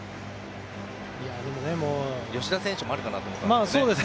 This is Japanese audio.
吉田選手もあるかなと思ったんですが。